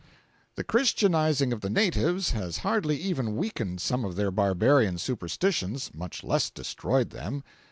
The christianizing of the natives has hardly even weakened some of their barbarian superstitions, much less destroyed them.